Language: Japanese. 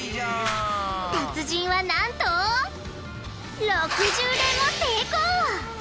達人はなんと６０連も成功！